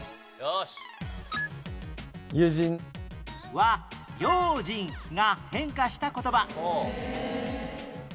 は「用心」が変化した言葉